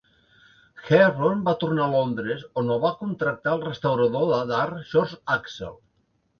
Hebborn va tornar a Londres, on el va contractar el restaurador d'art George Aczel.